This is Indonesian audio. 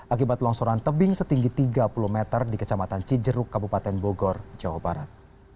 akibat longsoran tebing setinggi tiga puluh meter di kecamatan cijeruk kabupaten bogor jawa barat